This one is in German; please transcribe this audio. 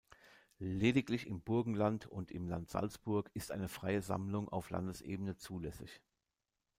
Lediglich im Burgenland und im Land Salzburg ist eine Freie Sammlung auf Landesebene zulässig.